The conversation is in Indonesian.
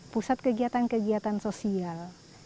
pusat kegiatan kegiatan sosial